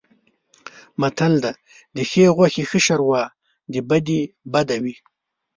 متل دی: د ښې غوښې ښه شوروا د بدې بده وي.